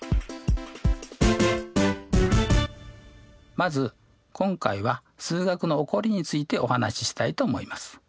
まず今回は数学の起こりについてお話ししたいと思います。